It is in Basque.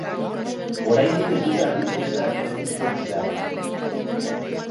Oraindik ez dute argitu zerk eragin duen ezbeharra.